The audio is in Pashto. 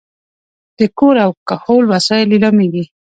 د کور او کهول وسایل لیلامېږي.